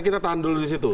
kita tahan dulu disitu